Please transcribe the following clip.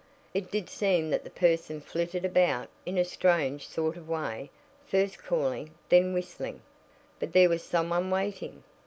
It did seem that the person flitted about in a strange sort of way, first calling, then whistling. But there was some one waiting.